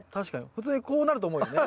普通にこうなると思うよね。